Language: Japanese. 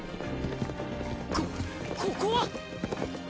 こここは！？